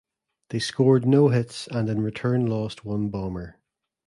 They scored no hits and in return lost one bomber.